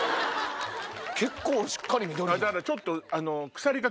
結構しっかり緑？